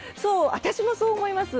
私もそう思います！